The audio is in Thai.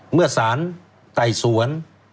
เมื่อสารไต่สวน